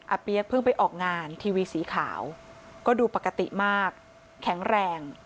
เปี๊ยกเพิ่งไปออกงานทีวีสีขาวก็ดูปกติมากแข็งแรง